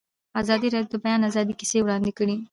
ازادي راډیو د د بیان آزادي کیسې وړاندې کړي.